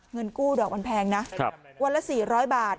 เงินกู้ดอกมันแพงนะครับวันละสี่ร้อยบาท